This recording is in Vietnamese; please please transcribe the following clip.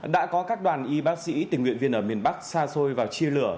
đã có các đoàn y bác sĩ tình nguyện viên ở miền bắc xa xôi vào chia lửa